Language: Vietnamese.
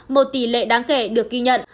một tỷ lệ đáng kể được ghi nhận